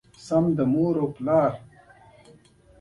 سوداګریزو فعالیتونو او قراردادونو ته لار پرانېسته